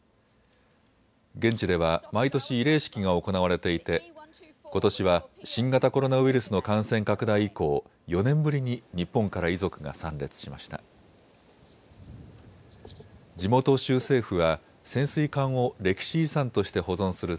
現地では毎年、慰霊式が行われていてことしは新型コロナウイルスの感染拡大以降、４年ぶりに日本から遺族が参列しました。